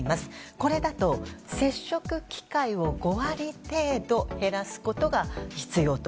これだと接触機会を５割程度減らすことが必要と。